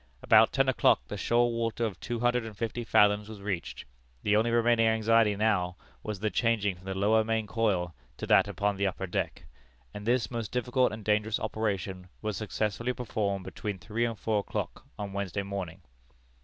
About ten o'clock the shoal water of two hundred and fifty fathoms was reached; the only remaining anxiety now was the changing from the lower main coil to that upon the upper deck, and this most difficult and dangerous operation was successfully performed between three and four o'clock on Wednesday morning.